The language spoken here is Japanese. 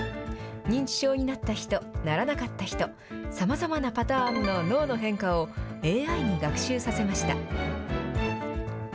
認知症になった人、ならなかった人、さまざまなパターンの脳の変化を、ＡＩに学習させました。